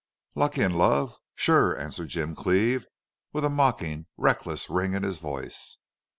"Lucky in love?... Sure!" answered Jim Cleve, with a mocking, reckless ring in his voice.